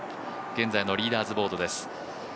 現在のリーダーズボードです。